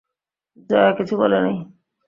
জয়া কিছু বলে নাই।